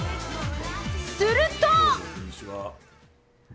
すると！